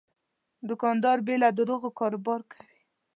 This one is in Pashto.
دوکاندار بې له دروغو کاروبار کوي.